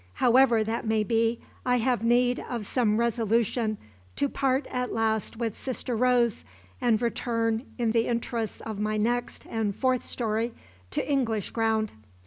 However that may be, I have need of some resolution to part at last with Sister Rose, and return, in the interests of my next and Fourth Story, to English ground.